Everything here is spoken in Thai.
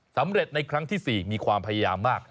สำเร็จในครั้งที่๔มีความพยายามมาก